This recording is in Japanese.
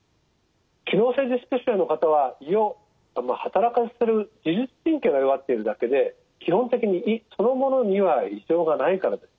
機能性ディスペプシアの方は胃をはたらかせる自律神経が弱っているだけで基本的に胃そのものには異常がないからです。